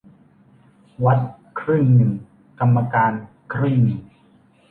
วัดครึ่งหนึ่งกรรมการครึ่งหนึ่ง